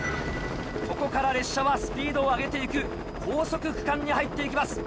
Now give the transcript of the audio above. ここから列車はスピードを上げて行く高速区間に入って行きます。